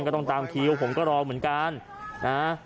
ก็ต้องตามคิวผมก็รอเหมือนกันนะ